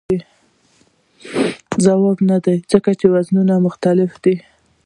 ځواب نه دی ځکه وزنونه مختلف دي.